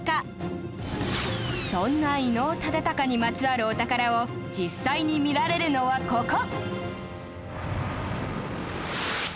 そんな伊能忠敬にまつわるお宝を実際に見られるのはここ